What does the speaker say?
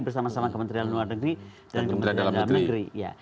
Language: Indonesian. bersama sama kementerian luar negeri dan kementerian dalam negeri